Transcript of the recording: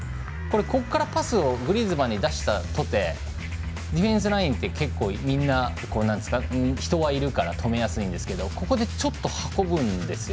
ここからパスをグリーズマンに出したとてディフェンスラインって結構みんな人はいるから止めやすいんですけどここで、ちょっと運ぶんですよ。